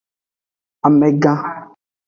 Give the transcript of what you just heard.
Amegan.